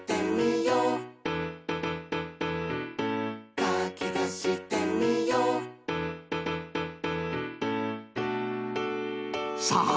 「かきたしてみよう」さあ！